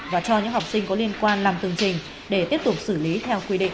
và cho những học sinh có liên quan làm tương trình để tiếp tục xử lý theo quy định